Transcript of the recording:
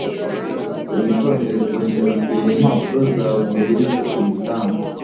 Witondere kongera kureba impapuro zawe mbere yuko uyitanga